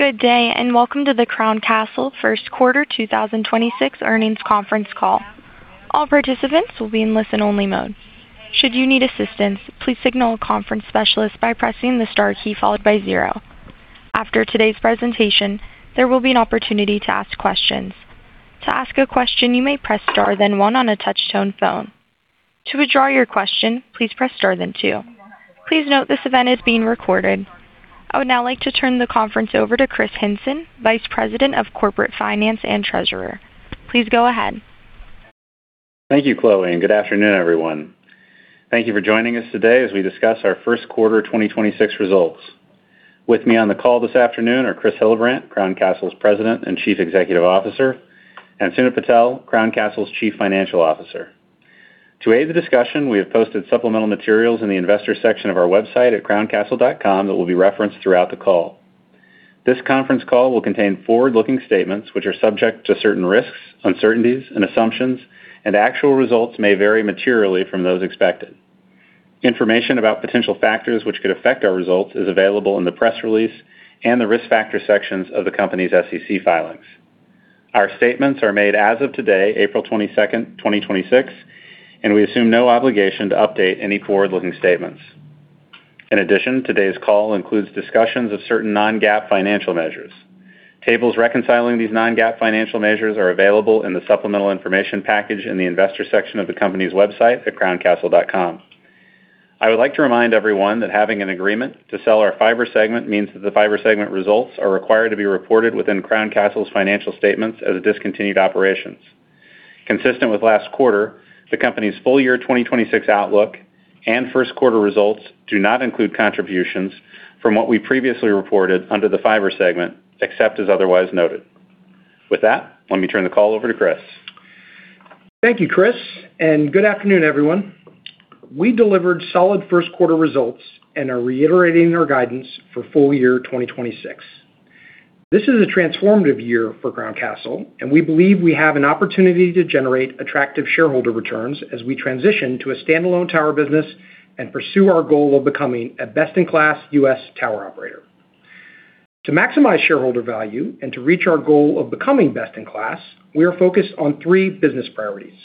Good day, and welcome to the Crown Castle First Quarter 2026 Earnings Conference Call. All participants will be in listen-only mode. Should you need assistance, please signal a conference specialist by pressing the star key followed by zero. After today's presentation, there will be an opportunity to ask questions. To ask a question, you may press star then one on a touch-tone phone. To withdraw your question, please press star then two. Please note this event is being recorded. I would now like to turn the conference over to Kris Hinson, Vice President of Corporate Finance and Treasurer. Please go ahead. Thank you, Chloe, and good afternoon, everyone. Thank you for joining us today as we discuss our First Quarter 2026 Results. With me on the call this afternoon are Chris Hillabrant, Crown Castle's President and Chief Executive Officer, and Sunit Patel, Crown Castle's Chief Financial Officer. To aid the discussion, we have posted supplemental materials in the Investor Section of our website at crowncastle.com that will be referenced throughout the call. This conference call will contain forward-looking statements, which are subject to certain risks, uncertainties, and assumptions, and actual results may vary materially from those expected. Information about potential factors which could affect our results is available in the press release and the Risk Factors section of the company's SEC filings. Our statements are made as of today, April 22nd, 2026, and we assume no obligation to update any forward-looking statements. In addition, today's call includes discussions of certain non-GAAP financial measures. Tables reconciling these non-GAAP financial measures are available in the supplemental information package in the Investor Section of the company's website at crowncastle.com. I would like to remind everyone that having an agreement to sell our fiber segment means that the fiber segment results are required to be reported within Crown Castle's financial statements as discontinued operations. Consistent with last quarter, the company's full-year 2026 outlook and first quarter results do not include contributions from what we previously reported under the fiber segment, except as otherwise noted. With that, let me turn the call over to Chris. Thank you, Chris, and good afternoon, everyone. We delivered solid first-quarter results and are reiterating our guidance for full-year 2026. This is a transformative year for Crown Castle, and we believe we have an opportunity to generate attractive shareholder returns as we transition to a standalone tower business and pursue our goal of becoming a best-in-class U.S. tower operator. To maximize shareholder value and to reach our goal of becoming best-in-class, we are focused on three business priorities.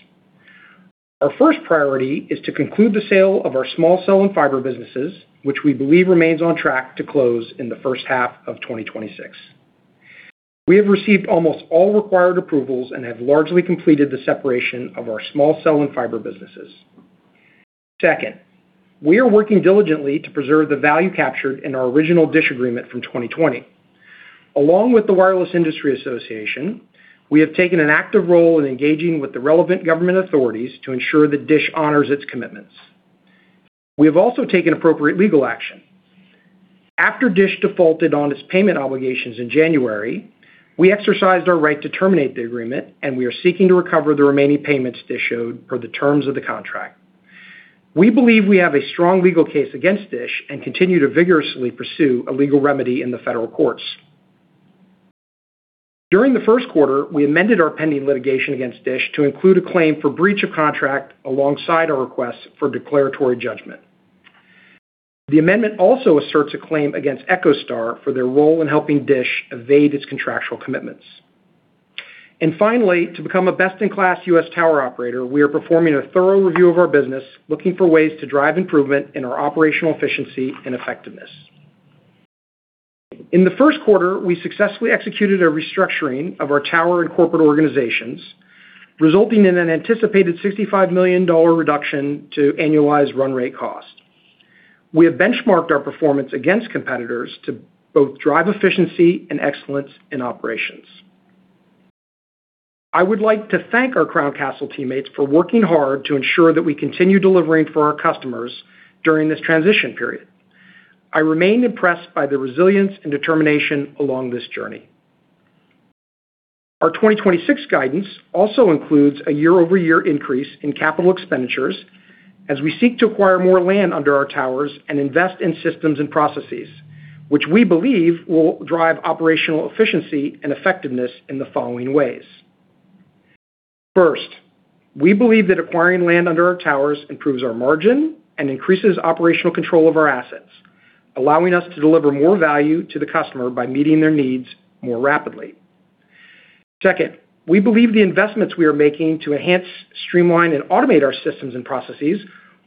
Our first priority is to conclude the sale of our small cell and fiber businesses, which we believe remains on track to close in the first half of 2026. We have received almost all required approvals and have largely completed the separation of our small cell and fiber businesses. Second, we are working diligently to preserve the value captured in our original DISH agreement from 2020. Along with the Wireless Infrastructure Association, we have taken an active role in engaging with the relevant government authorities to ensure that DISH honors its commitments. We have also taken appropriate legal action. After DISH defaulted on its payment obligations in January, we exercised our right to terminate the agreement, and we are seeking to recover the remaining payments DISH owed per the terms of the contract. We believe we have a strong legal case against DISH and continue to vigorously pursue a legal remedy in the Federal courts. During the first quarter, we amended our pending litigation against DISH to include a claim for breach of contract alongside a request for declaratory judgment. The amendment also asserts a claim against EchoStar for their role in helping DISH evade its contractual commitments. Finally, to become a best-in-class U.S. tower operator, we are performing a thorough review of our business, looking for ways to drive improvement in our operational efficiency and effectiveness. In the first quarter, we successfully executed a restructuring of our tower and corporate organizations, resulting in an anticipated $65 million reduction to annualized run-rate cost. We have benchmarked our performance against competitors to both drive efficiency and excellence in operations. I would like to thank our Crown Castle teammates for working hard to ensure that we continue delivering for our customers during this transition period. I remain impressed by their resilience and determination along this journey. Our 2026 guidance also includes a year-over-year increase in capital expenditures as we seek to acquire more land under our towers and invest in systems and processes, which we believe will drive operational efficiency and effectiveness in the following ways. First, we believe that acquiring land under our towers improves our margin and increases operational control of our assets, allowing us to deliver more value to the customer by meeting their needs more rapidly. Second, we believe the investments we are making to enhance, streamline, and automate our systems and processes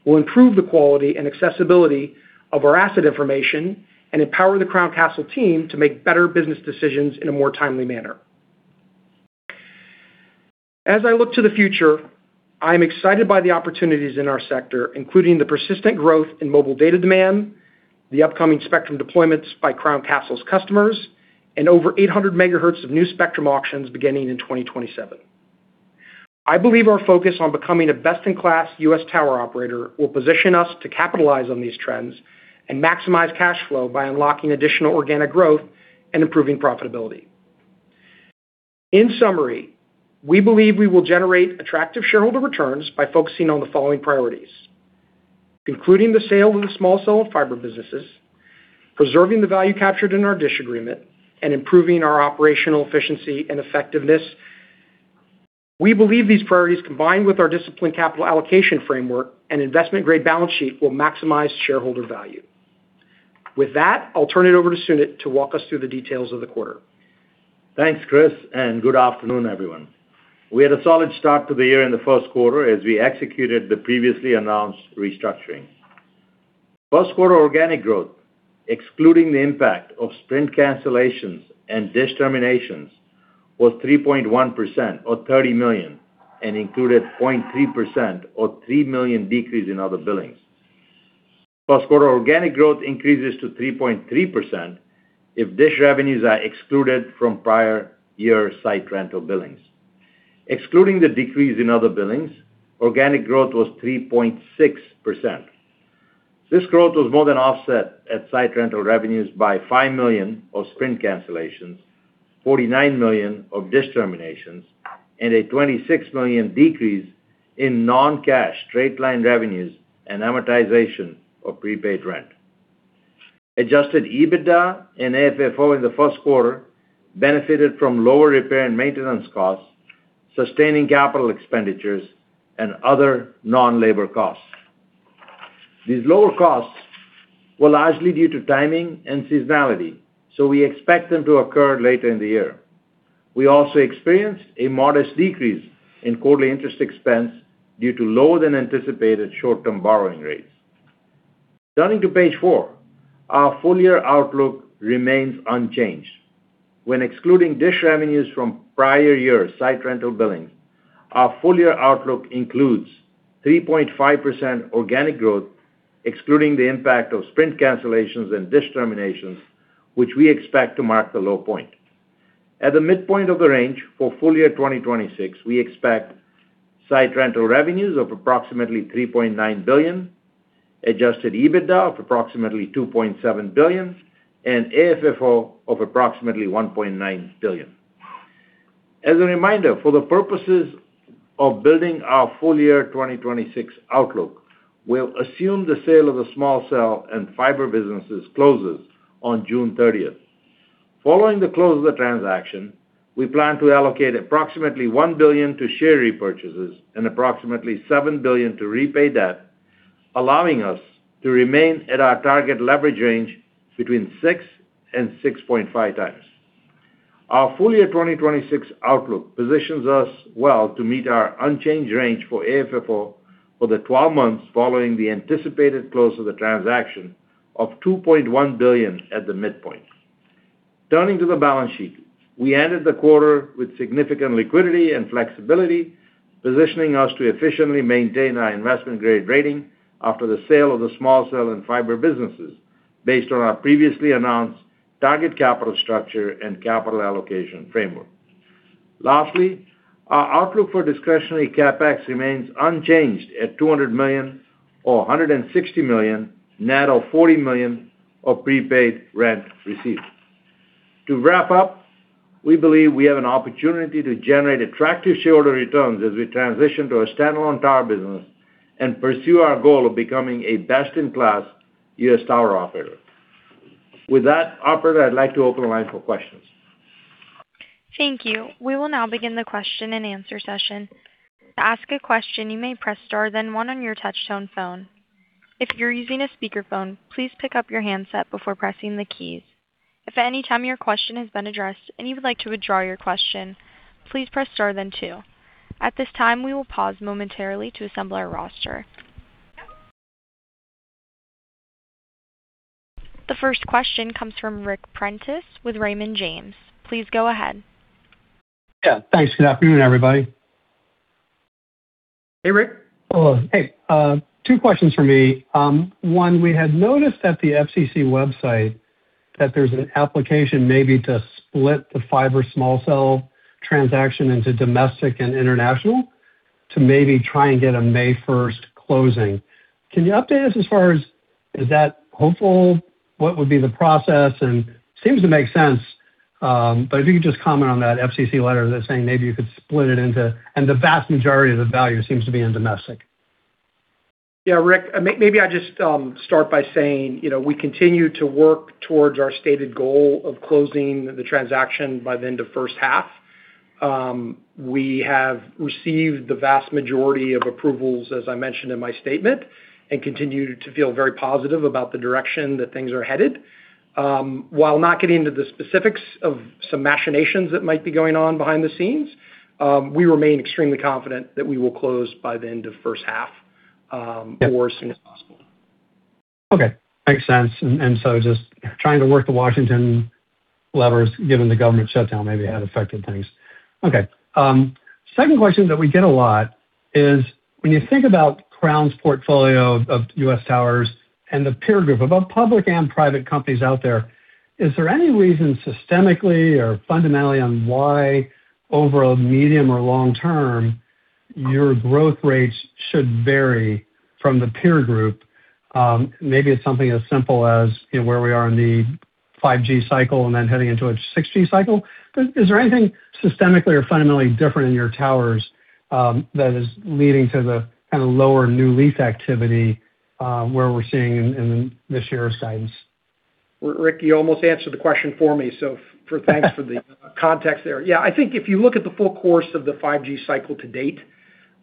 will improve the quality and accessibility of our asset information and empower the Crown Castle team to make better business decisions in a more timely manner. As I look to the future, I am excited by the opportunities in our sector, including the persistent growth in mobile data demand, the upcoming spectrum deployments by Crown Castle's customers, and over 800 MHz of new spectrum auctions beginning in 2027. I believe our focus on becoming a best-in-class U.S. tower operator will position us to capitalize on these trends and maximize cash flow by unlocking additional organic growth and improving profitability. In summary, we believe we will generate attractive shareholder returns by focusing on the following priorities, concluding the sale of the small cell and fiber businesses, preserving the value captured in our DISH agreement, and improving our operational efficiency and effectiveness. We believe these priorities, combined with our disciplined capital allocation framework and investment-grade balance sheet, will maximize shareholder value. With that, I'll turn it over to Sunit to walk us through the details of the quarter. Thanks, Chris, and good afternoon, everyone. We had a solid start to the year in the first quarter as we executed the previously announced restructuring. First quarter organic growth, excluding the impact of Sprint cancellations and DISH terminations, was 3.1%, or $30 million, and included 0.3%, or $3 million decrease in other billings. First quarter organic growth increases to 3.3% if DISH revenues are excluded from prior year site rental billings. Excluding the decrease in other billings, organic growth was 3.6%. This growth was more than offset at site rental revenues by $5 million of Sprint cancellations, $49 million of DISH terminations, and a $26 million decrease in non-cash straight-line revenues and amortization of prepaid rent. Adjusted EBITDA and AFFO in the first quarter benefited from lower repair and maintenance costs, sustaining capital expenditures, and other non-labor costs. These lower costs were largely due to timing and seasonality, so we expect them to occur later in the year. We also experienced a modest decrease in quarterly interest expense due to lower-than-anticipated short-term borrowing rates. Turning to page four. Our full-year outlook remains unchanged. When excluding DISH revenues from prior year site rental billing, our full-year outlook includes 3.5% organic growth, excluding the impact of Sprint cancellations and DISH terminations, which we expect to mark the low point. At the midpoint of the range for full-year 2026, we expect site rental revenues of approximately $3.9 billion, adjusted EBITDA of approximately $2.7 billion and AFFO of approximately $1.9 billion. As a reminder, for the purposes of building our full-year 2026 outlook, we'll assume the sale of the small cell and fiber businesses closes on June 30th. Following the close of the transaction, we plan to allocate approximately $1 billion to share repurchases and approximately $7 billion to repay debt, allowing us to remain at our target leverage range between 6 and 6.5 times. Our full-year 2026 outlook positions us well to meet our unchanged range for AFFO for the 12 months following the anticipated close of the transaction of $2.1 billion at the midpoint. Turning to the balance sheet. We ended the quarter with significant liquidity and flexibility, positioning us to efficiently maintain our investment-grade rating after the sale of the small cell and fiber businesses based on our previously announced target capital structure and capital allocation framework. Lastly, our outlook for discretionary CapEx remains unchanged at $200 million or $160 million, net of $40 million of prepaid rent received. To wrap up, we believe we have an opportunity to generate attractive shareholder returns as we transition to a standalone tower business and pursue our goal of becoming a best-in-class U.S. tower operator. With that, operator, I'd like to open the line for questions. Thank you. We will now begin the question and answer session. To ask a question, you may press star then one on your touch tone phone. If you're using a speakerphone, please pick up your handset before pressing the keys. If at any time your question has been addressed and you would like to withdraw your question, please press star then two. At this time, we will pause momentarily to assemble our roster. The first question comes from Ric Prentiss with Raymond James. Please go ahead. Yeah, thanks. Good afternoon, everybody. Hey, Ric. Hello. Hey, two questions from me. One, we had noticed at the FCC website that there's an application maybe to split the fiber small cell transaction into domestic and international to maybe try and get a May 1 closing. Can you update us as far as, is that hopeful? What would be the process? Seems to make sense, but if you could just comment on that FCC letter that's saying maybe you could split it into domestic and international. The vast majority of the value seems to be in domestic. Yeah. Ric, maybe I just start by saying we continue to work towards our stated goal of closing the transaction by the end of first half. We have received the vast majority of approvals, as I mentioned in my statement, and continue to feel very positive about the direction that things are headed. While not getting into the specifics of some machinations that might be going on behind the scenes, we remain extremely confident that we will close by the end of first half or as soon as possible. Okay. Makes sense. Just trying to work the Washington levers, given the government shutdown maybe had affected things. Okay. Second question that we get a lot is, when you think about Crown's portfolio of U.S. towers and the peer group of both public and private companies out there, is there any reason, systemically or fundamentally, on why over a medium or long term, your growth rates should vary from the peer group? Maybe it's something as simple as where we are in the 5G cycle and then heading into a 6G cycle. Is there anything systemically or fundamentally different in your towers that is leading to the kind of lower new lease activity where we're seeing in the share of sites? Ric, you almost answered the question for me. Thanks for the context there. Yeah, I think if you look at the full course of the 5G cycle to date,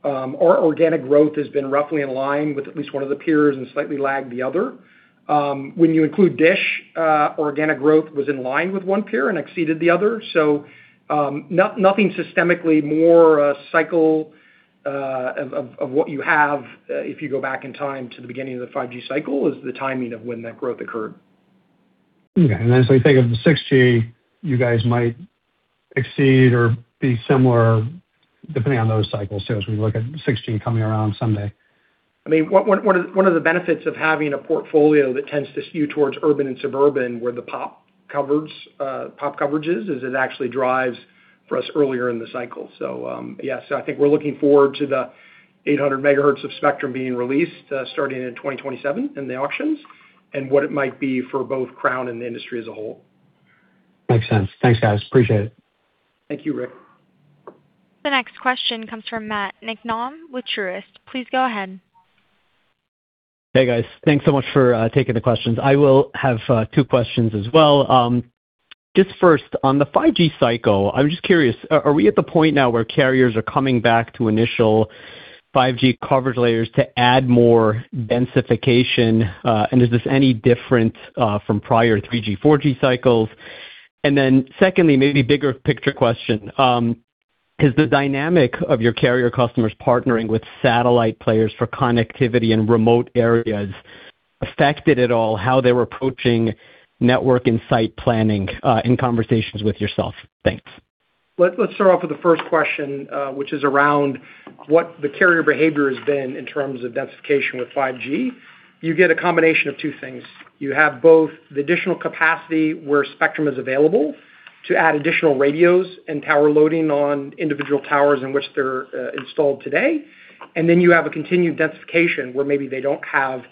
our organic growth has been roughly in line with at least one of the peers and slightly lagged the other. When you include DISH, organic growth was in line with one peer and exceeded the other. Nothing systemic about the cycle of what you have, if you go back in time to the beginning of the 5G cycle, is the timing of when that growth occurred. Okay. As we think of the 6G, you guys might exceed or be similar depending on those cycles too, as we look at 6G coming around someday. One of the benefits of having a portfolio that tends to skew towards urban and suburban, where the pop coverage is it actually drives for us earlier in the cycle. Yes, I think we're looking forward to the 800 MHz of spectrum being released, starting in 2027 in the auctions, and what it might be for both Crown and the industry as a whole. Makes sense. Thanks, guys. Appreciate it. Thank you, Ric. The next question comes from Matt Niknam with Truist. Please go ahead. Hey, guys. Thanks so much for taking the questions. I will have two questions as well. Just first, on the 5G cycle, I'm just curious, are we at the point now where carriers are coming back to initial 5G coverage layers to add more densification? And is this any different from prior 3G, 4G cycles? Secondly, maybe bigger picture question. Has the dynamic of your carrier customers partnering with satellite players for connectivity in remote areas affected at all how they're approaching network and site planning in conversations with yourself? Thanks. Let's start off with the first question, which is around what the carrier behavior has been in terms of densification with 5G. You get a combination of two things. You have both the additional capacity where spectrum is available to add additional radios and power loading on individual towers in which they're installed today. Then you have a continued densification where maybe they don't have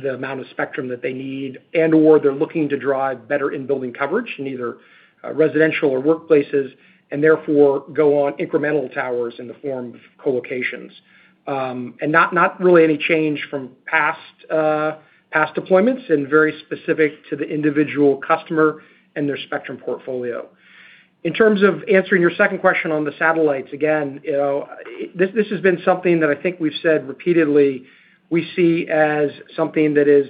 the amount of spectrum that they need and/or they're looking to drive better in building coverage in either residential or workplaces, and therefore go on incremental towers in the form of co-locations. Not really any change from past deployments, and very specific to the individual customer and their spectrum portfolio. In terms of answering your second question on the satellites, again, this has been something that I think we've said repeatedly, we see as something that is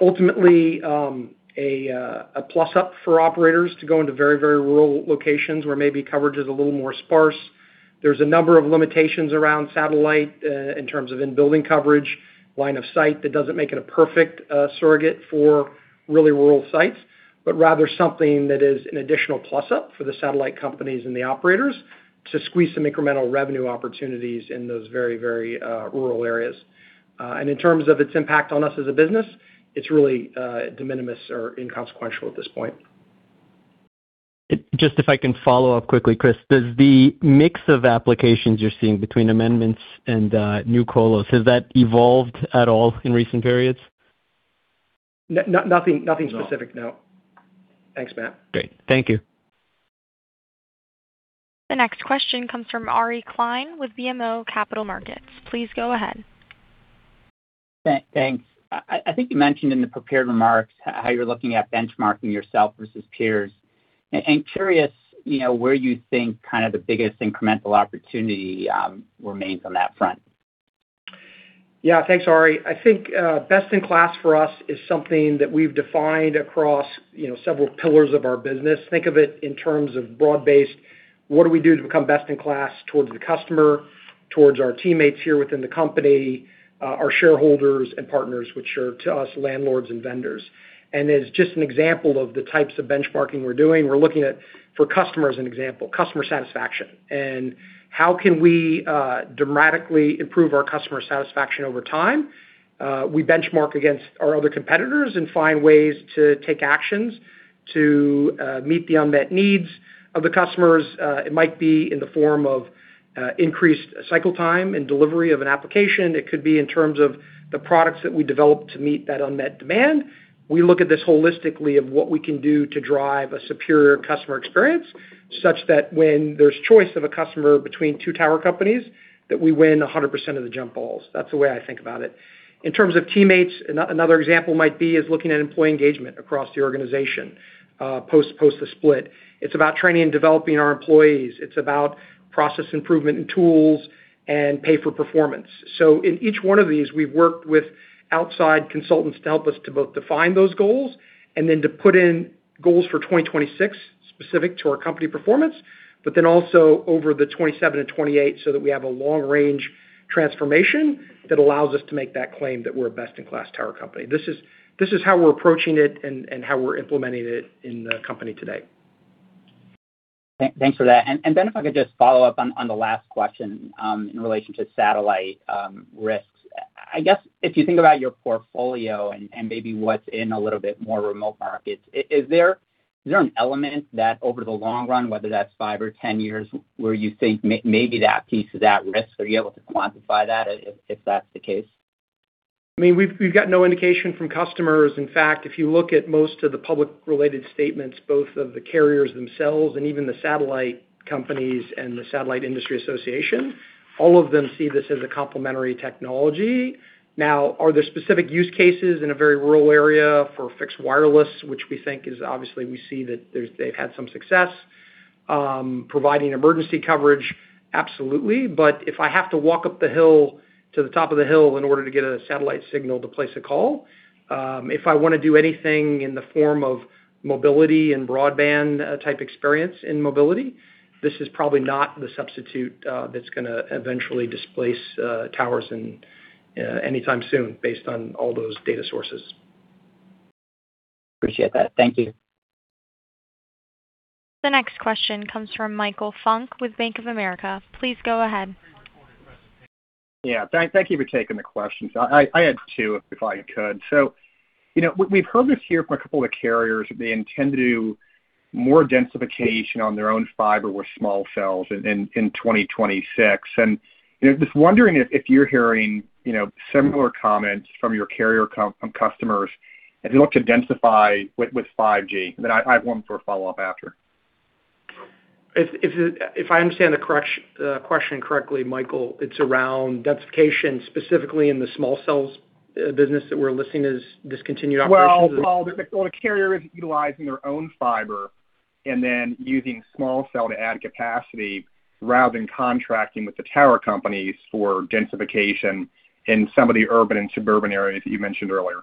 ultimately a plus up for operators to go into very, very rural locations where maybe coverage is a little more sparse. There's a number of limitations around satellite in terms of in-building coverage, line of sight, that doesn't make it a perfect surrogate for really rural sites, but rather something that is an additional plus up for the satellite companies and the operators to squeeze some incremental revenue opportunities in those very, very rural areas. In terms of its impact on us as a business, it's really de minimis or inconsequential at this point. Just if I can follow up quickly, Chris. Does the mix of applications you're seeing between amendments and new colos? Has that evolved at all in recent periods? Nothing specific, no. No. Thanks, Matt. Great. Thank you. The next question comes from Ari Klein with BMO Capital Markets. Please go ahead. Thanks. I think you mentioned in the prepared remarks how you're looking at benchmarking yourself versus peers. I'm curious where you think the biggest incremental opportunity remains on that front. Yeah. Thanks, Ari. I think best-in-class for us is something that we've defined across several pillars of our business. Think of it in terms of broad-based, what do we do to become best-in-class towards the customer, towards our teammates here within the company, our shareholders and partners, which are to us, landlords and vendors. As just an example of the types of benchmarking we're doing, we're looking at, for customers an example, customer satisfaction, and how can we dramatically improve our customer satisfaction over time. We benchmark against our other competitors and find ways to take actions to meet the unmet needs of the customers. It might be in the form of increased cycle time and delivery of an application. It could be in terms of the products that we develop to meet that unmet demand. We look at this holistically of what we can do to drive a superior customer experience, such that when there's choice of a customer between two tower companies, that we win 100% of the jump balls. That's the way I think about it. In terms of teammates, another example might be looking at employee engagement across the organization, post the split. It's about training and developing our employees. It's about process improvement and tools and pay for performance. In each one of these, we've worked with outside consultants to help us to both define those goals and then to put in goals for 2026 specific to our company performance, but then also over the 2027 and 2028, so that we have a long range transformation that allows us to make that claim that we're a best-in-class tower company. This is how we're approaching it and how we're implementing it in the company today. Thanks for that. And then if I could just follow up on the last question, in relation to satellite risks. I guess if you think about your portfolio and maybe what's in a little bit more remote markets, is there an element that over the long run, whether that's 5 or 10 years, where you think maybe that piece is at risk? Are you able to quantify that if that's the case? We've got no indication from customers. In fact, if you look at most of the public related statements, both of the carriers themselves and even the satellite companies and the Satellite Industry Association, all of them see this as a complementary technology. Now, are there specific use cases in a very rural area for fixed wireless, which we think is obviously we see that they've had some success providing emergency coverage? Absolutely. But if I have to walk up the hill to the top of the hill in order to get a satellite signal to place a call, if I want to do anything in the form of mobility and broadband type experience in mobility, this is probably not the substitute that's going to eventually displace towers anytime soon based on all those data sources. Appreciate that. Thank you. The next question comes from Michael Funk with Bank of America. Please go ahead. Yeah. Thank you for taking the questions. I had two if I could. We've heard this here from a couple of carriers that they intend to do more densification on their own fiber with small cell in 2026. Just wondering if you're hearing similar comments from your carrier customers as you look to densify with 5G? I have one for a follow-up after. If I understand the question correctly, Michael, it's around densification, specifically in the small cells business that we're listing as discontinued operations? Well, the carrier is utilizing their own fiber and then using small cell to add capacity rather than contracting with the tower companies for densification in some of the urban and suburban areas that you mentioned earlier.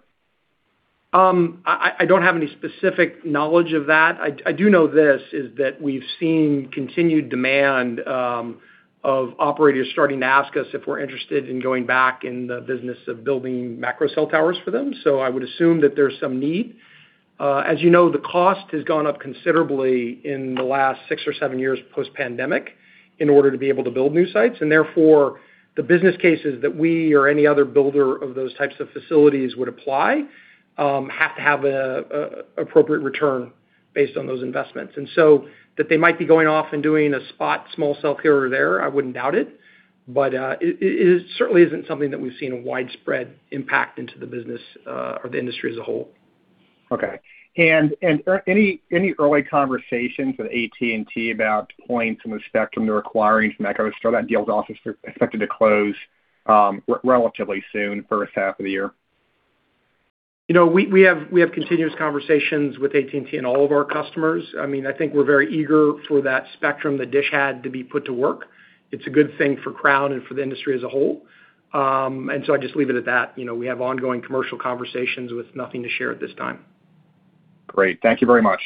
I don't have any specific knowledge of that. I do know this, that we've seen continued demand of operators starting to ask us if we're interested in going back in the business of building macro cell towers for them. I would assume that there's some need. As you know, the cost has gone up considerably in the last six or seven years post-pandemic in order to be able to build new sites. Therefore, the business cases that we or any other builder of those types of facilities would apply, have to have appropriate return based on those investments. That they might be going off and doing a spot small cell here or there, I wouldn't doubt it. It certainly isn't something that we've seen a widespread impact on the business or the industry as a whole. Okay. Any early conversations with AT&T about deploying some of the spectrum they're acquiring from EchoStar? That deal is obviously expected to close relatively soon, first half of the year. We have continuous conversations with AT&T and all of our customers. I think we're very eager for that spectrum that DISH had to be put to work. It's a good thing for Crown and for the industry as a whole. I just leave it at that. We have ongoing commercial conversations with nothing to share at this time. Great. Thank you very much.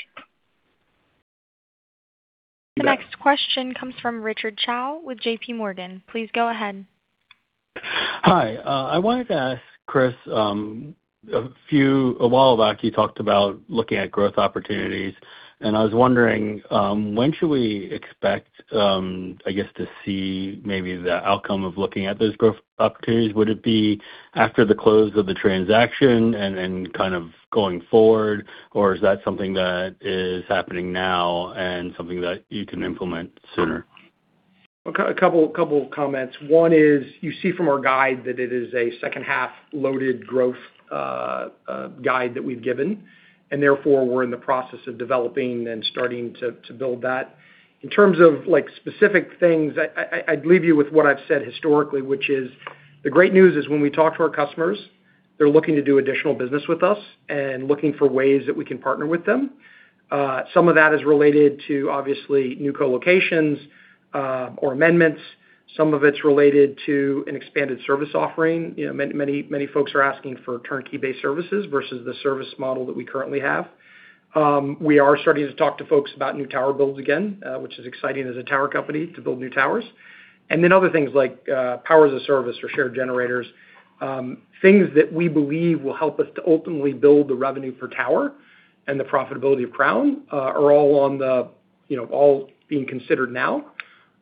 The next question comes from Richard Choe with JPMorgan. Please go ahead. Hi. I wanted to ask Chris, a while back you talked about looking at growth opportunities, and I was wondering, when should we expect to see maybe the outcome of looking at those growth opportunities? Would it be after the close of the transaction and kind of going forward, or is that something that is happening now and something that you can implement sooner? A couple comments. One is, you see from our guide that it is a second half loaded growth guide that we've given, and therefore we're in the process of developing and starting to build that. In terms of specific things, I'd leave you with what I've said historically, which is the great news is when we talk to our customers, they're looking to do additional business with us and looking for ways that we can partner with them. Some of that is related to obviously new co-locations or amendments. Some of it's related to an expanded service offering. Many folks are asking for turnkey-based services versus the service model that we currently have. We are starting to talk to folks about new tower builds again, which is exciting as a tower company to build new towers. Other things like power as a service or shared generators. Things that we believe will help us to ultimately build the revenue per tower and the profitability of Crown are all being considered now.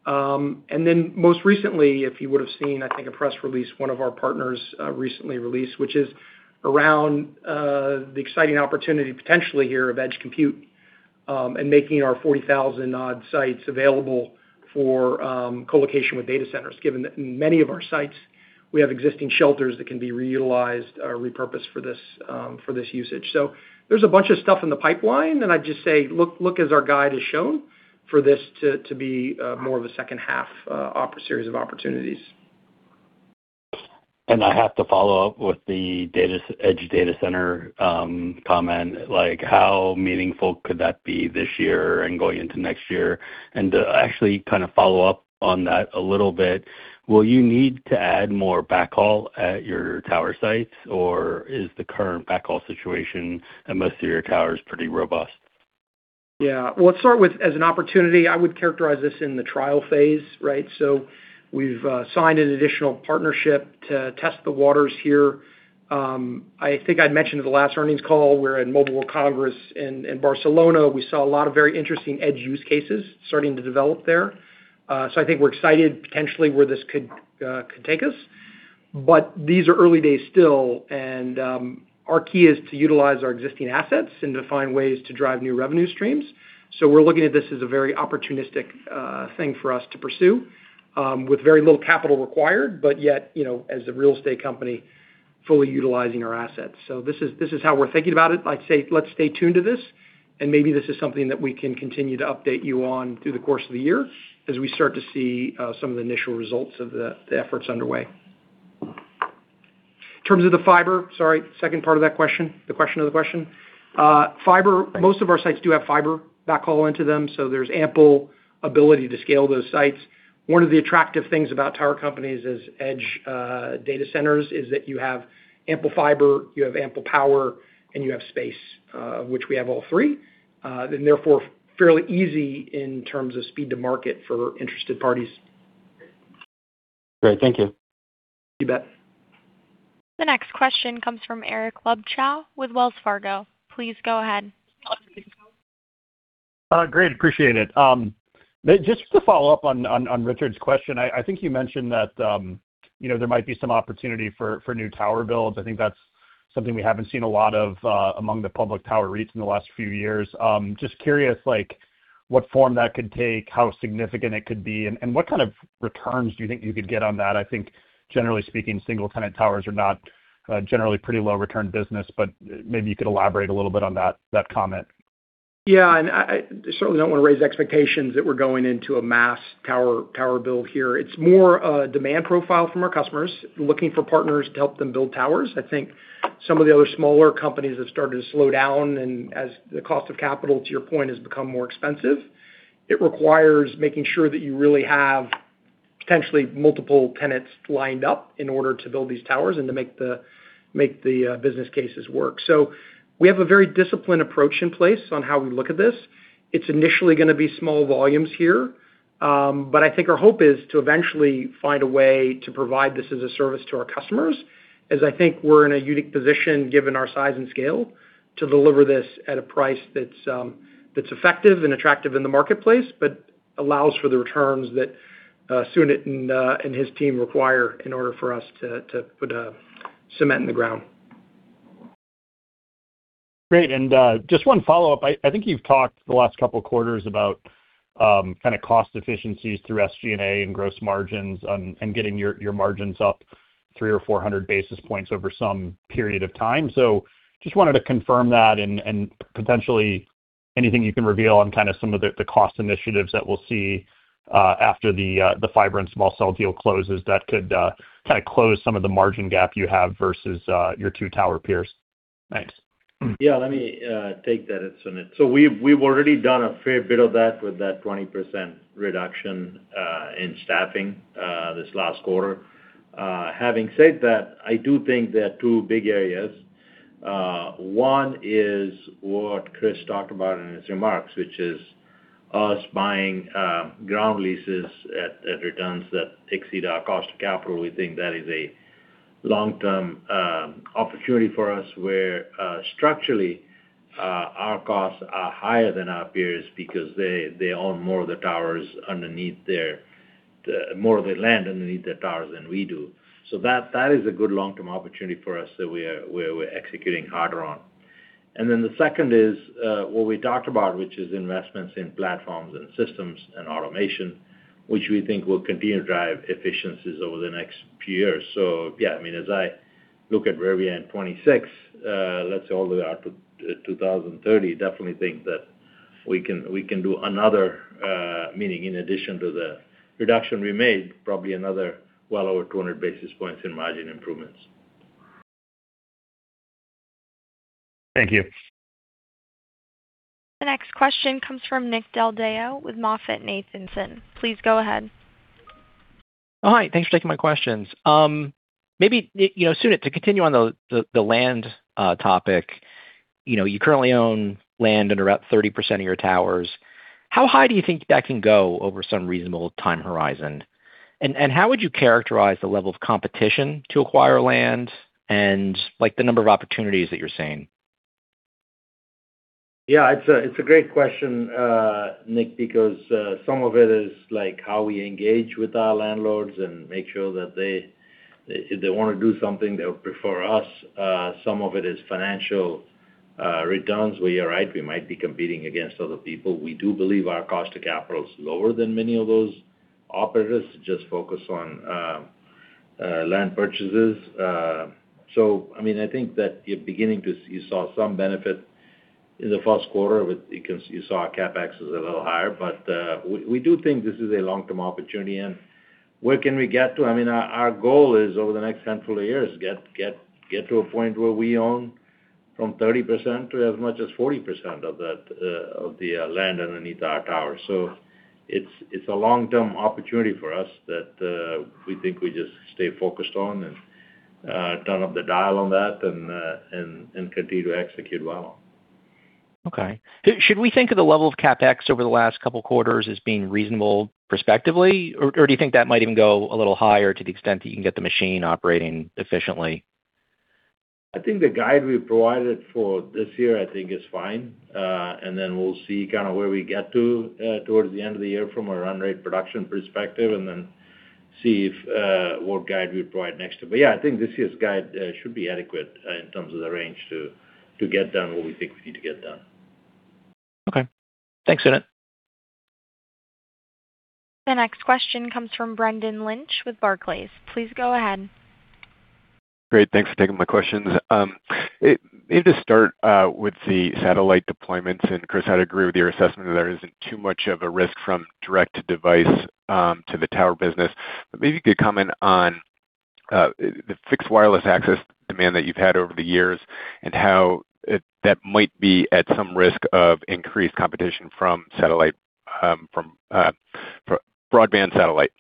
Then most recently, if you would've seen, I think a press release, one of our partners recently released, which is around the exciting opportunity potentially here of edge compute, and making our 40,000-odd sites available for co-location with data centers. Given that many of our sites, we have existing shelters that can be reutilized or repurposed for this usage. There's a bunch of stuff in the pipeline, and I'd just say, look as our guide has shown for this to be more of a second half series of opportunities. I have to follow up with the edge data center comment. How meaningful could that be this year and going into next year? To actually kind of follow up on that a little bit, will you need to add more backhaul at your tower sites, or is the current backhaul situation at most of your towers pretty robust? Yeah. Well, let's start with, as an opportunity, I would characterize this in the trial phase, right? We've signed an additional partnership to test the waters here. I think I'd mentioned in the last earnings call, we're at Mobile World Congress in Barcelona. We saw a lot of very interesting edge use cases starting to develop there. I think we're excited potentially where this could take us. These are early days still, and our key is to utilize our existing assets and to find ways to drive new revenue streams. We're looking at this as a very opportunistic thing for us to pursue with very little capital required, but yet, as a real estate company, fully utilizing our assets. This is how we're thinking about it. I'd say let's stay tuned to this, and maybe this is something that we can continue to update you on through the course of the year as we start to see some of the initial results of the efforts underway. In terms of the fiber, sorry, second part of that question, the question of the question. Fiber, most of our sites do have fiber backhaul into them, so there's ample ability to scale those sites. One of the attractive things about tower companies as edge data centers is that you have ample fiber, you have ample power, and you have space, which we have all three. Therefore, fairly easy in terms of speed to market for interested parties. Great. Thank you. You bet. The next question comes from Eric Luebchow with Wells Fargo. Please go ahead. Great. Appreciate it. Just to follow up on Richard's question, I think you mentioned that there might be some opportunity for new tower builds. I think that's something we haven't seen a lot of among the public tower REITs in the last few years. Just curious, what form that could take, how significant it could be, and what kind of returns do you think you could get on that? I think generally speaking, single-tenant towers are not generally pretty low return business, but maybe you could elaborate a little bit on that comment. Yeah. I certainly don't want to raise expectations that we're going into a mass tower build here. It's more a demand profile from our customers looking for partners to help them build towers. I think some of the other smaller companies have started to slow down and as the cost of capital, to your point, has become more expensive, it requires making sure that you really have potentially multiple tenants lined up in order to build these towers and to make the business cases work. We have a very disciplined approach in place on how we look at this. It's initially gonna be small volumes here. I think our hope is to eventually find a way to provide this as a service to our customers, as I think we're in a unique position, given our size and scale, to deliver this at a price that's effective and attractive in the marketplace, but allows for the returns that Sunit and his team require in order for us to put a cement in the ground. Great. Just one follow-up. I think you've talked the last couple of quarters about kind of cost efficiencies through SG&A and gross margins and getting your margins up 3 or 400 basis points over some period of time. Just wanted to confirm that and potentially anything you can reveal on kind of some of the cost initiatives that we'll see after the fiber and small cell deal closes that could kind of close some of the margin gap you have versus your two tower peers. Thanks. Yeah, let me take that. It's Sunit. We've already done a fair bit of that with that 20% reduction in staffing this last quarter. Having said that, I do think there are two big areas. One is what Chris talked about in his remarks, which is us buying ground leases at returns that exceed our cost of capital. We think that is a long-term opportunity for us, where structurally, our costs are higher than our peers because they own more of the land underneath their towers than we do. That is a good long-term opportunity for us that we're executing harder on. The second is what we talked about, which is investments in platforms and systems and automation, which we think will continue to drive efficiencies over the next few years. Yeah, I mean, as I look at where we end 2026, let's say all the way out to 2030, definitely think that we can do another, meaning in addition to the reduction we made, probably another well over 200 basis points in margin improvements. Thank you. The next question comes from Nick Del Deo with MoffettNathanson. Please go ahead. Hi. Thanks for taking my questions. Maybe, Sunit, to continue on the land topic. You currently own land under about 30% of your towers. How high do you think that can go over some reasonable time horizon? How would you characterize the level of competition to acquire land and, like, the number of opportunities that you're seeing? Yeah, it's a great question, Nick, because some of it is, like, how we engage with our landlords and make sure that if they wanna do something, they'll prefer us. Some of it is financial returns, where you're right, we might be competing against other people. We do believe our cost of capital is lower than many of those operators just focused on land purchases. I think that you're beginning to see, you saw some benefit in the first quarter with, you saw our CapEx was a little higher. But we do think this is a long-term opportunity. Where can we get to? I mean, our goal is over the next handful of years, get to a point where we own from 30%-40% of the land underneath our towers. It's a long-term opportunity for us that we think we just stay focused on and turn up the dial on that and continue to execute well. Okay. Should we think of the level of CapEx over the last couple quarters as being reasonable prospectively? Or do you think that might even go a little higher to the extent that you can get the machine operating efficiently? I think the guide we provided for this year, I think, is fine. Then we'll see kind of where we get to towards the end of the year from a run-rate production perspective, and then see what guide we provide next. Yeah, I think this year's guide should be adequate in terms of the range to get done what we think we need to get done. Okay. Thanks, Sunit. The next question comes from Brendan Lynch with Barclays. Please go ahead. Great. Thanks for taking my questions. Maybe to start with the satellite deployments, and Chris, I'd agree with your assessment that there isn't too much of a risk from direct device to the tower business. Maybe you could comment on the fixed wireless access demand that you've had over the years and how that might be at some risk of increased competition from broadband satellite.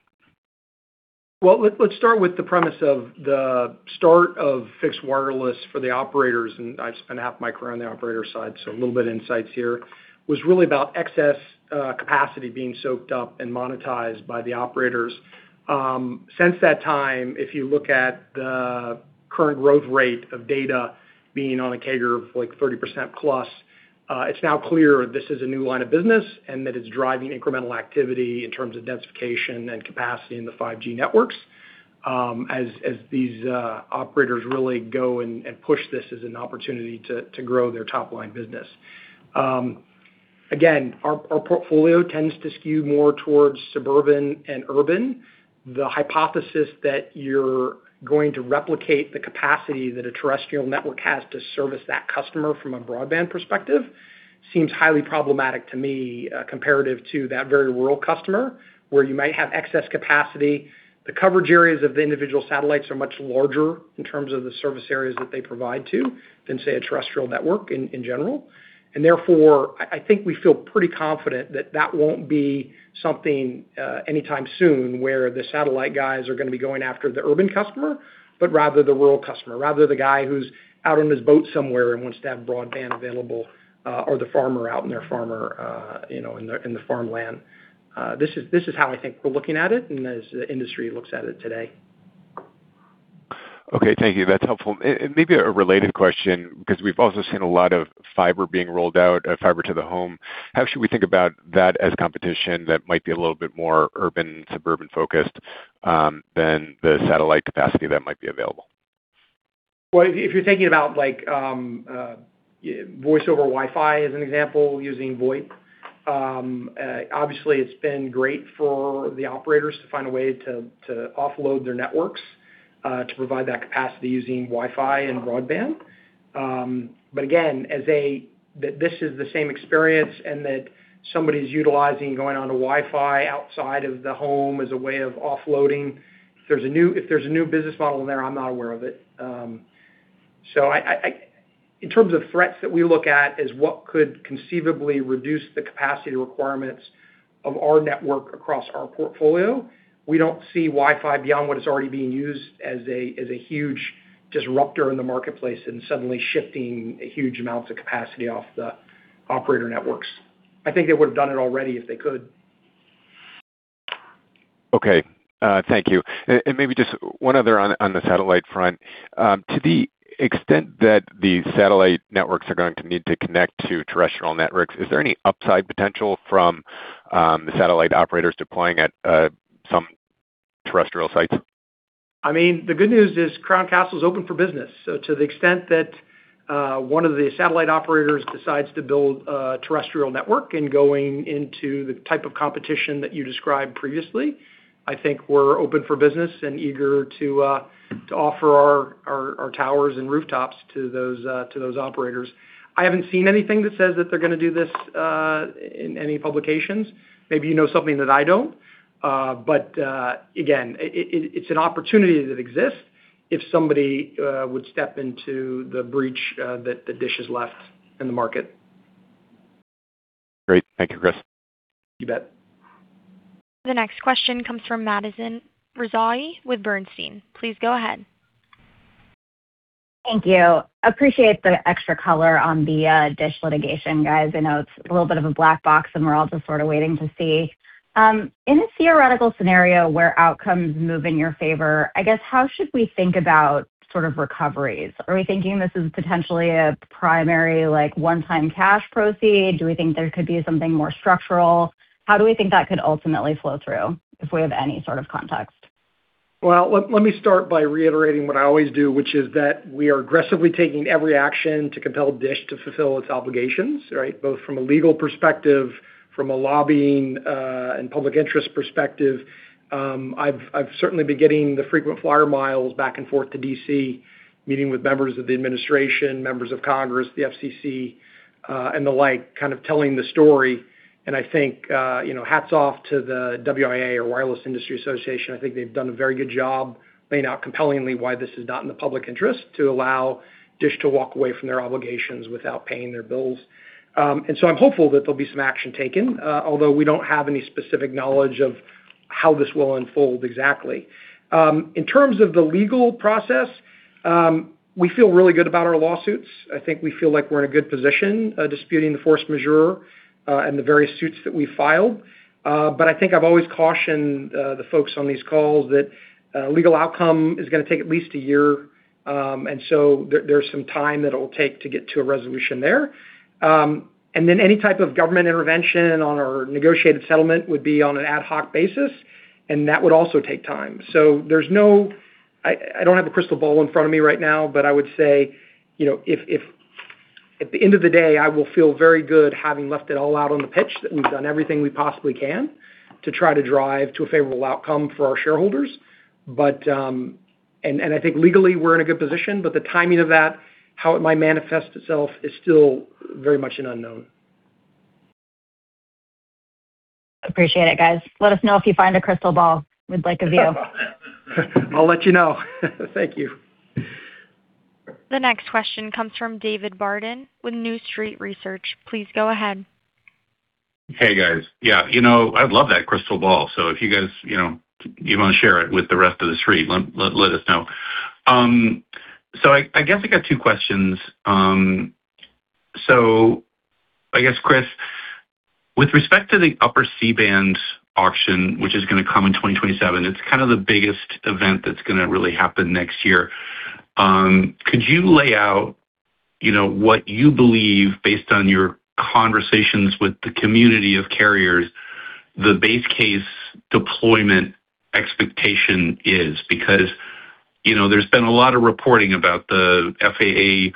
Well, let's start with the premise of the start of fixed wireless for the operators, and I've spent half my career on the operator side, so a little bit of insights here. It was really about excess capacity being soaked up and monetized by the operators. Since that time, if you look at the current growth rate of data being on a CAGR of 30%+, it's now clear this is a new line of business and that it's driving incremental activity in terms of densification and capacity in the 5G networks, as these operators really go and push this as an opportunity to grow their top-line business. Again, our portfolio tends to skew more towards suburban and urban. The hypothesis that you're going to replicate the capacity that a terrestrial network has to service that customer from a broadband perspective seems highly problematic to me, comparative to that very rural customer where you might have excess capacity. The coverage areas of the individual satellites are much larger in terms of the service areas that they provide to than, say, a terrestrial network in general. Therefore, I think we feel pretty confident that that won't be something, anytime soon, where the satellite guys are going to be going after the urban customer, but rather the rural customer, rather the guy who's out on his boat somewhere and wants to have broadband available, or the farmer out in the farmland. This is how I think we're looking at it, and as the industry looks at it today. Okay, thank you. That's helpful. Maybe a related question, because we've also seen a lot of fiber being rolled out, Fiber to the Home. How should we think about that as competition that might be a little bit more urban, suburban focused, than the satellite capacity that might be available? Well, if you're thinking about Voice Over Wi-Fi as an example, using VoIP. Obviously, it's been great for the operators to find a way to offload their networks to provide that capacity using Wi-Fi and broadband. Again, this is the same experience and that somebody's utilizing going on to Wi-Fi outside of the home as a way of offloading. If there's a new business model in there, I'm not aware of it. In terms of threats that we look at as what could conceivably reduce the capacity requirements of our network across our portfolio, we don't see Wi-Fi beyond what is already being used as a huge disruptor in the marketplace and suddenly shifting huge amounts of capacity off the operator networks. I think they would've done it already if they could. Okay. Thank you. Maybe just one other on the satellite front. To the extent that the satellite networks are going to need to connect to terrestrial networks, is there any upside potential from the satellite operators deploying at some terrestrial sites? The good news is Crown Castle is open for business. To the extent that one of the satellite operators decides to build a terrestrial network and going into the type of competition that you described previously, I think we're open for business and eager to offer our towers and rooftops to those operators. I haven't seen anything that says that they're going to do this in any publications. Maybe you know something that I don't. Again, it's an opportunity that exists if somebody would step into the breach that DISH has left in the market. Great. Thank you, Chris. You bet. The next question comes from Madison Rezaei with Bernstein. Please go ahead. Thank you. Appreciate the extra color on the DISH litigation, guys. I know it's a little bit of a black box and we're all just sort of waiting to see. In a theoretical scenario where outcomes move in your favor, I guess how should we think about sort of recoveries? Are we thinking this is potentially a primary one-time cash proceed? Do we think there could be something more structural? How do we think that could ultimately flow through, if we have any sort of context? Well, let me start by reiterating what I always do, which is that we are aggressively taking every action to compel DISH to fulfill its obligations, right? Both from a legal perspective, from a lobbying, and public interest perspective. I've certainly been getting the frequent flyer miles back and forth to D.C., meeting with members of the administration, members of Congress, the FCC, and the like, kind of telling the story. I think, hats off to the WIA or Wireless Infrastructure Association. I think they've done a very good job laying out compellingly why this is not in the public interest to allow DISH to walk away from their obligations without paying their bills. I'm hopeful that there'll be some action taken, although we don't have any specific knowledge of how this will unfold exactly. In terms of the legal process, we feel really good about our lawsuits. I think we feel like we're in a good position disputing the Force Majeure, and the various suits that we filed. I think I've always cautioned the folks on these calls that a legal outcome is going to take at least a year. There's some time that it'll take to get to a resolution there. Any type of government intervention on our negotiated settlement would be on an ad hoc basis, and that would also take time. I don't have a crystal ball in front of me right now, but I would say, at the end of the day, I will feel very good having left it all out on the pitch, that we've done everything we possibly can to try to drive to a favorable outcome for our shareholders. I think legally we're in a good position, but the timing of that, how it might manifest itself, is still very much an unknown. Appreciate it, guys. Let us know if you find a crystal ball. We'd like a view. I'll let you know. Thank you. The next question comes from David Barden with New Street Research. Please go ahead. Hey, guys. Yeah, I'd love that crystal ball. If you guys want to share it with the rest of the Street, let us know. I guess I got two questions. I guess, Chris, with respect to the Upper C-band auction, which is going to come in 2027, it's kind of the biggest event that's going to really happen next year. Could you lay out what you believe, based on your conversations with the community of carriers, the base case deployment expectation is? Because there's been a lot of reporting about the FAA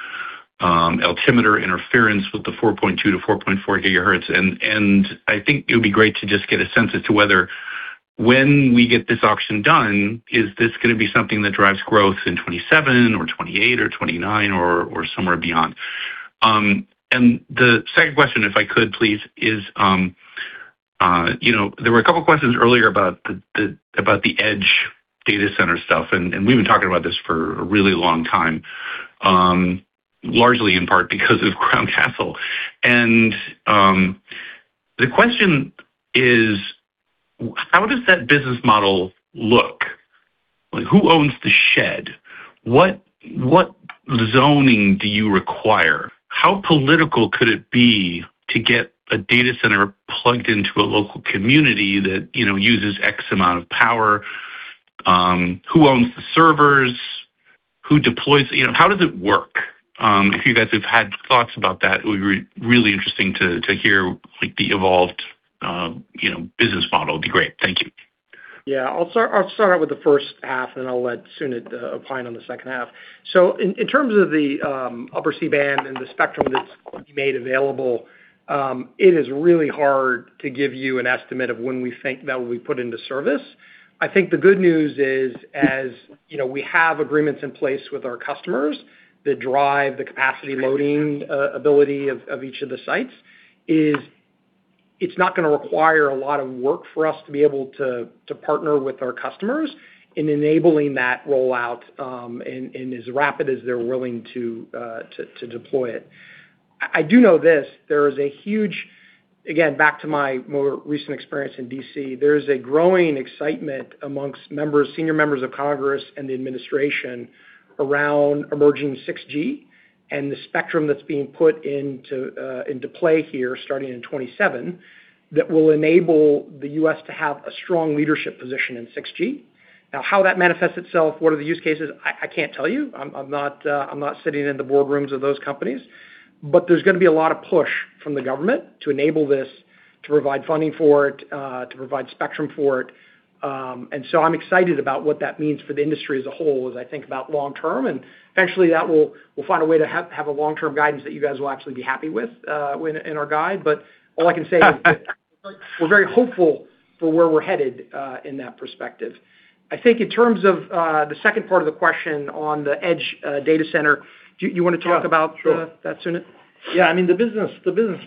altimeter interference with the 4.2-4.4 GHz. I think it would be great to just get a sense as to whether when we get this auction done, is this going to be something that drives growth in 2027 or 2028 or 2029 or somewhere beyond? The second question, if I could, please, is, there were a couple of questions earlier about the edge data center stuff, and we've been talking about this for a really long time, largely in part because of Crown Castle. The question is, how does that business model look? Like, who owns the shed? What zoning do you require? How political could it be to get a data center plugged into a local community that uses X amount of power? Who owns the servers? Who deploys it? How does it work? If you guys have had thoughts about that, it would be really interesting to hear the evolved business model. It'd be great. Thank you. Yeah. I'll start out with the first half, and then I'll let Sunit opine on the second half. In terms of the upper C-band and the spectrum that's made available, it is really hard to give you an estimate of when we think that will be put into service. I think the good news is, as we have agreements in place with our customers that drive the capacity loading ability of each of the sites, it's not going to require a lot of work for us to be able to partner with our customers in enabling that rollout and as rapid as they're willing to deploy it. I do know this, there is a huge, again, back to my more recent experience in D.C., there is a growing excitement among senior members of Congress and the administration around emerging 6G and the spectrum that's being put into play here, starting in 2027, that will enable the U.S. to have a strong leadership position in 6G. Now, how that manifests itself, what are the use cases? I can't tell you. I'm not sitting in the boardrooms of those companies, but there's going to be a lot of push from the government to enable this, to provide funding for it, to provide spectrum for it. I'm excited about what that means for the industry as a whole as I think about long-term, and eventually that will find a way to have a long-term guidance that you guys will actually be happy with in our guide. All I can say is that we're very hopeful for where we're headed in that perspective. I think in terms of the second part of the question on the edge data center, do you want to talk about that, Sunit? Yeah. I mean, the business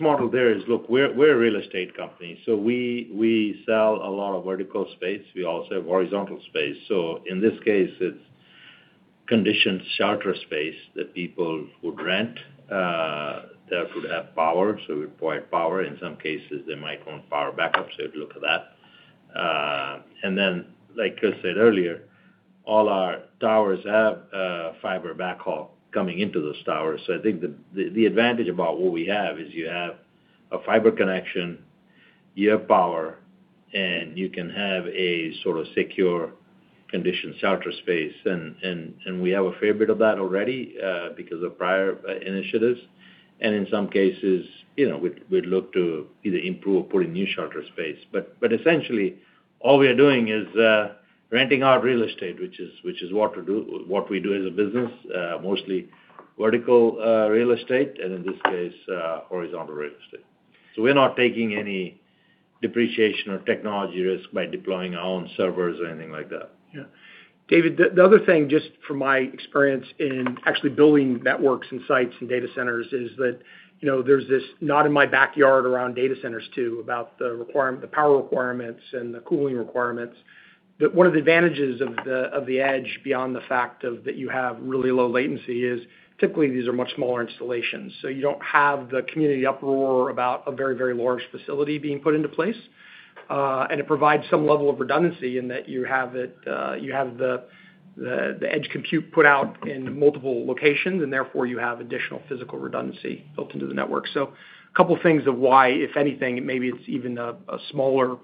model there is, look, we're a real estate company, so we sell a lot of vertical space. We also have horizontal space. In this case, it's conditioned shelter space that people would rent, that would have power. We provide power. In some cases, they might want power backup, so we'd look at that. Like Chris said earlier, all our towers have a fiber backhaul coming into those towers. I think the advantage about what we have is you have a fiber connection, you have power, and you can have a sort of secure conditioned shelter space. We have a fair bit of that already because of prior initiatives. In some cases, we'd look to either improve or put a new shelter space. Essentially, all we are doing is renting out real estate, which is what we do as a business, mostly vertical real estate, and in this case, horizontal real estate. We're not taking any depreciation or technology risk by deploying our own servers or anything like that. Yeah. David, the other thing, just from my experience in actually building networks and sites and data centers, is that there's this Not In My Backyard around data centers too, about the power requirements and the cooling requirements. One of the advantages of the edge, beyond the fact that you have really low latency, is typically these are much smaller installations, so you don't have the community uproar about a very, very large facility being put into place. It provides some level of redundancy in that you have the edge compute put out in multiple locations, and therefore you have additional physical redundancy built into the network. A couple of things of why, if anything, maybe it's even a smaller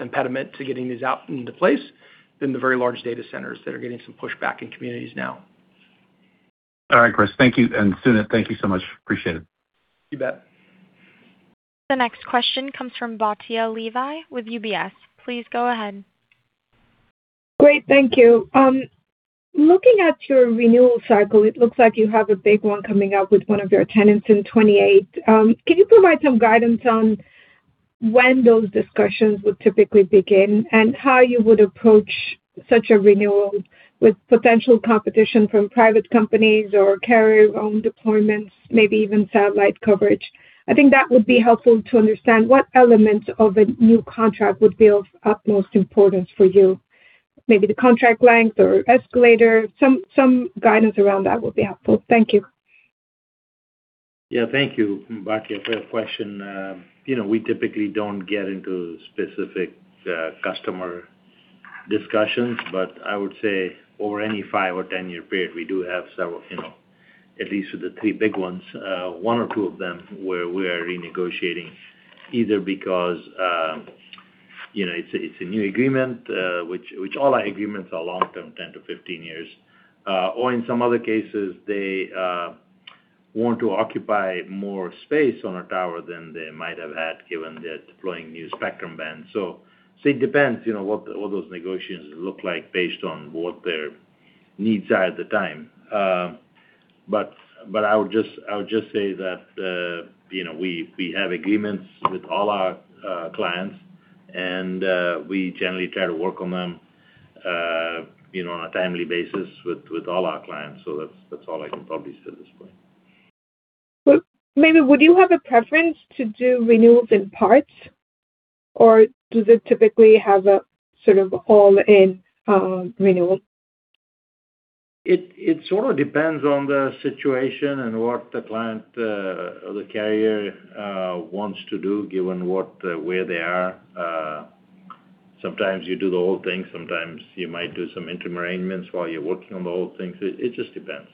impediment to getting these out into place than the very large data centers that are getting some pushback in communities now. All right, Chris, thank you. Sunit, thank you so much. Appreciate it. You bet. The next question comes from Batya Levi with UBS. Please go ahead. Great. Thank you. Looking at your renewal cycle, it looks like you have a big one coming up with one of your tenants in 2028. Can you provide some guidance on when those discussions would typically begin and how you would approach such a renewal with potential competition from private companies or carrier-owned deployments, maybe even satellite coverage. I think that would be helpful to understand what elements of a new contract would be of utmost importance for you. Maybe the contract length or escalator, some guidance around that would be helpful. Thank you. Yeah, thank you, Batya, for that question. We typically don't get into specific customer discussions, but I would say over any five or ten-year period, we do have several, at least with the three big ones, one or two of them where we are renegotiating either because it's a new agreement, which all our agreements are long-term, 10-15 years. In some other cases, they want to occupy more space on a tower than they might have had given they're deploying new spectrum bands. It depends, what those negotiations look like based on what their needs are at the time. I would just say that we have agreements with all our clients, and we generally try to work on them, on a timely basis with all our clients. That's all I can probably say at this point. Maybe would you have a preference to do renewals in parts, or do they typically have a sort of all-in renewal? It sort of depends on the situation and what the client or the carrier wants to do, given where they are. Sometimes you do the whole thing, sometimes you might do some interim arrangements while you're working on the whole thing. It just depends.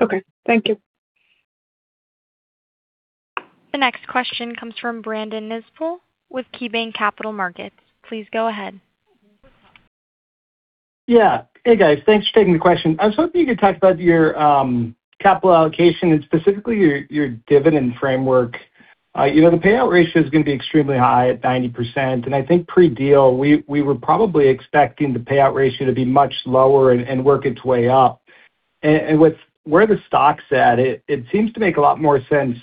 Okay. Thank you. The next question comes from Brandon Nispel with KeyBanc Capital Markets. Please go ahead. Yeah. Hey, guys. Thanks for taking the question. I was hoping you could talk about your capital allocation and specifically your dividend framework. The payout ratio is going to be extremely high at 90%, and I think pre-deal, we were probably expecting the payout ratio to be much lower and work its way up. With where the stock's at, it seems to make a lot more sense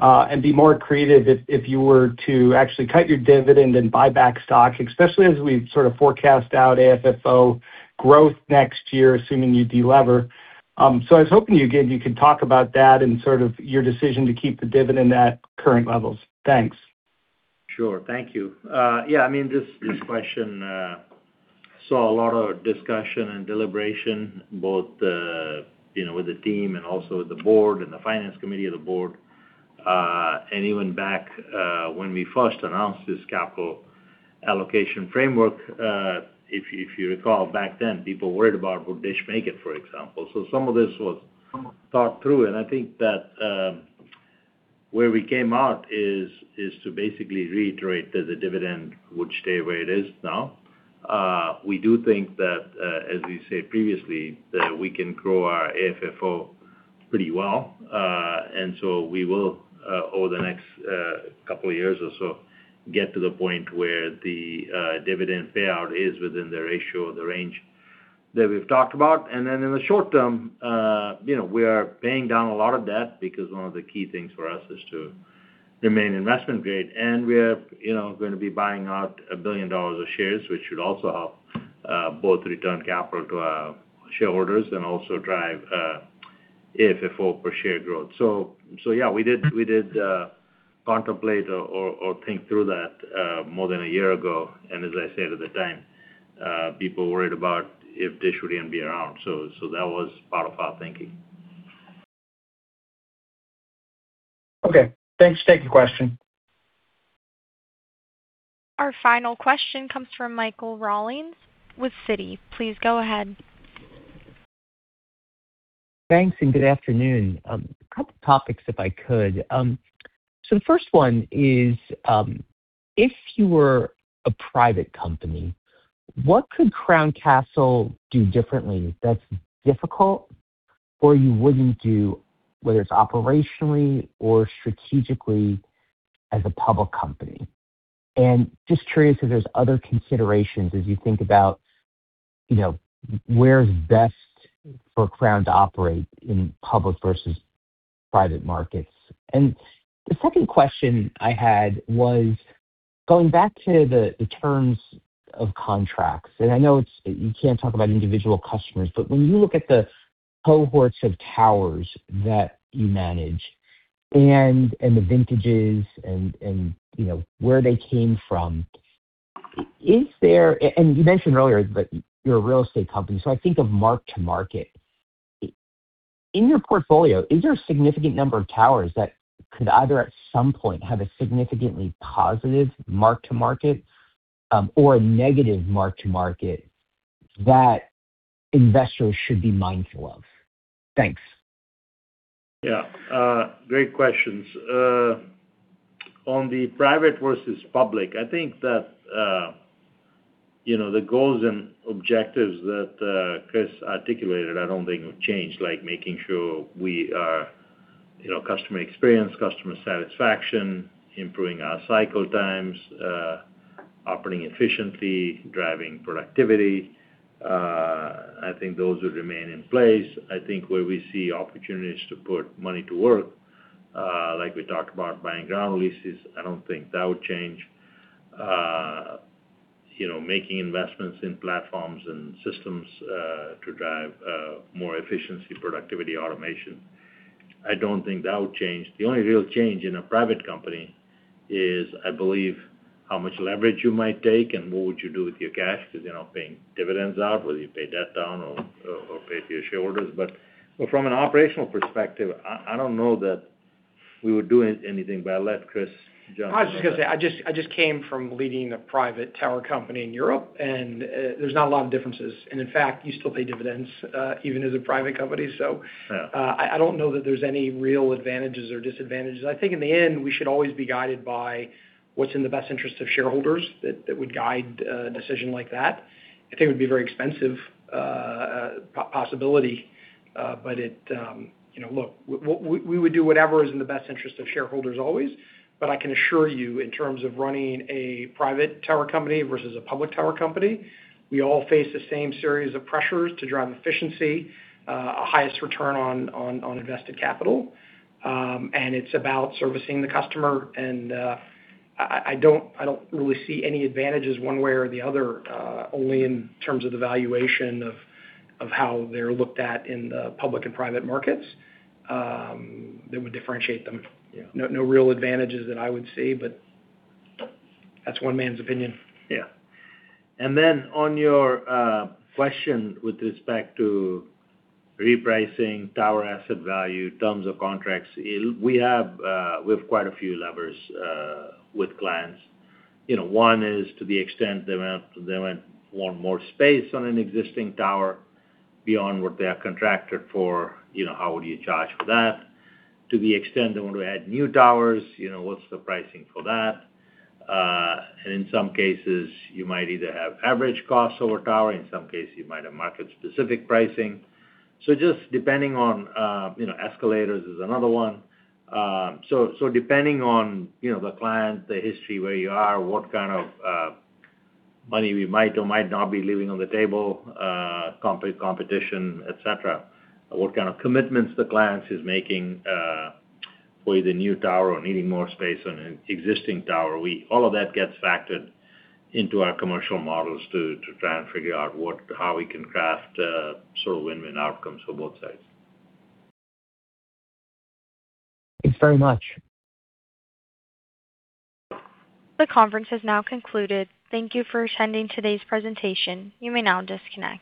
and be more accretive if you were to actually cut your dividend than buy back stocks, especially as we sort of forecast out AFFO growth next year, assuming you de-lever. I was hoping you could talk about that and sort of your decision to keep the dividend at current levels. Thanks. Sure. Thank you. Yeah, this question saw a lot of discussion and deliberation, both with the team and also with the Board and the Finance Committee of the Board. Even back when we first announced this capital allocation framework, if you recall back then, people worried about would DISH make it, for example. Some of this was thought through, and I think that where we came out is to basically reiterate that the dividend would stay where it is now. We do think that, as we said previously, that we can grow our AFFO pretty well. We will, over the next couple of years or so, get to the point where the dividend payout is within the ratio or the range that we've talked about. Then in the short term, we are paying down a lot of debt because one of the key things for us is to remain investment grade. We are going to be buying out $1 billion of shares, which should also help both return capital to our shareholders and also drive AFFO per share growth. Yeah, we did contemplate or think through that more than a year ago. As I said at the time, people worried about if DISH would even be around. That was part of our thinking. Okay. Thanks for taking the question. Our final question comes from Michael Rollins with Citi. Please go ahead. Thanks, and good afternoon. A couple topics, if I could. The first one is, if you were a private company, what could Crown Castle do differently that's difficult or you wouldn't do, whether it's operationally or strategically as a public company? Just curious if there's other considerations as you think about where's best for Crown to operate in public versus private markets? The second question I had was going back to the terms of contracts, and I know you can't talk about individual customers, but when you look at the cohorts of towers that you manage and the vintages and where they came from, and you mentioned earlier that you're a real estate company, so I think of mark-to-market. In your portfolio, is there a significant number of towers that could either at some point have a significantly positive mark-to-market or a negative mark-to-market that investors should be mindful of? Thanks. Yeah. Great questions. On the private versus public, I think that the goals and objectives that Chris articulated, I don't think will change, like making sure we are customer experience, customer satisfaction, improving our cycle times, operating efficiency, driving productivity. I think those will remain in place. I think where we see opportunities to put money to work. Like we talked about buying ground leases, I don't think that would change. Making investments in platforms and systems to drive more efficiency, productivity, automation, I don't think that would change. The only real change in a private company is, I believe, how much leverage you might take and what would you do with your cash. Because paying dividends out, whether you pay debt down or pay for your shareholders. From an operational perspective, I don't know that we would do anything, but I'll let Chris jump in. I was just going to say, I just came from leading a private tower company in Europe, and there's not a lot of differences. In fact, you still pay dividends even as a private company. Yeah. I don't know that there's any real advantages or disadvantages. I think in the end, we should always be guided by what's in the best interest of shareholders that would guide a decision like that. I think it would be very expensive possibility. Look, we would do whatever is in the best interest of shareholders always. I can assure you, in terms of running a private tower company versus a public tower company, we all face the same series of pressures to drive efficiency, highest return on invested capital, and it's about servicing the customer. I don't really see any advantages one way or the other, only in terms of the valuation of how they're looked at in the public and private markets, that would differentiate them. Yeah. No real advantages that I would see, but that's one man's opinion. Yeah. On your question with respect to repricing tower asset value, terms of contracts, we have quite a few levers with clients. One is to the extent they might want more space on an existing tower beyond what they have contracted for. How would you charge for that? To the extent they want to add new towers, what's the pricing for that? In some cases, you might either have average cost over tower. In some cases, you might have market-specific pricing. Just depending on escalators is another one. Depending on the client, the history, where you are, what kind of money we might or might not be leaving on the table, competition, et cetera. What kind of commitments the client is making for the new tower or needing more space on an existing tower. All of that gets factored into our commercial models to try and figure out how we can craft sort of win-win outcomes for both sides. Thanks very much. The conference has now concluded. Thank you for attending today's presentation. You may now disconnect.